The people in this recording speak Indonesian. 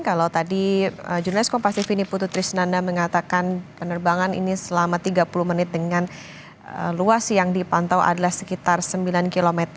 kalau tadi jurnalis kompativ ini putri trisnanda mengatakan penerbangan ini selama tiga puluh menit dengan luas yang dipantau adalah sekitar sembilan km